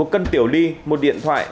một cân tiểu ly một điện thoại